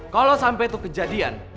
kalau sampai itu kejadian